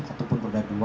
ataupun roda dua